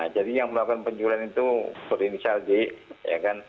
jadi yang melakukan penjurian itu berinisial di ya kan